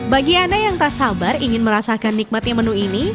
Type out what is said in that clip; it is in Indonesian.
bagi anda yang tak sabar ingin merasakan nikmatnya menu ini